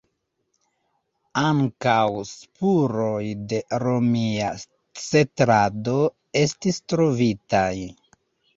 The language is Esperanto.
Ankaŭ spuroj de romia setlado estis trovitaj.